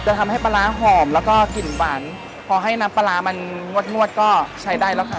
ทำให้ปลาร้าหอมแล้วก็กลิ่นหวานพอให้น้ำปลาร้ามันงวดงวดก็ใช้ได้แล้วค่ะ